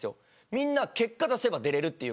みんな結果を出せば出られる。